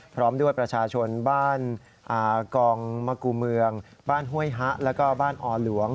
พร้อมด้วยประชาชนบ้านกองมะกูเมืองบ้านห้วยฮะแล้วก็บ้านอหลวง